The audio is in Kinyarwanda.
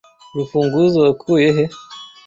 Urufunguzo wakuye he?